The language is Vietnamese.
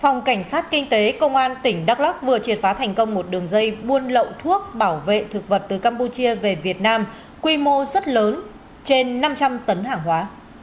phòng cảnh sát kinh tế công an tỉnh đắk lắc vừa triệt phá thành công một đường dây buôn lậu thuốc bảo vệ thực vật từ campuchia về việt nam quy mô rất lớn trên năm trăm linh tấn hàng hóa